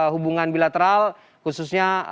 hubungan bilateral khususnya